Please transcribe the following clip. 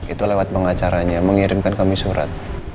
itu lewat pengacaranya mengirimkan kami surat